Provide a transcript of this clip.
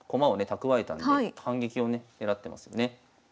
蓄えたので反撃をね狙ってますよね。